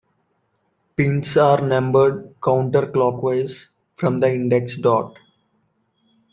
Pins are numbered counter-clockwise from the index dot.